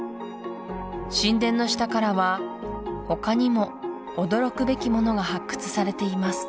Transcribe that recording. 神殿の下からは他にも驚くべきものが発掘されています